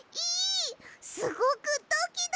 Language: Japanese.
すごくドキドキした！